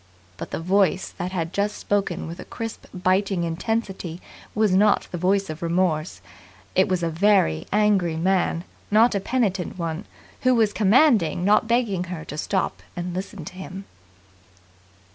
But the voice that had just spoken with a crisp, biting intensity was not the voice of remorse. It was a very angry man, not a penitent one, who was commanding not begging her to stop and listen to him.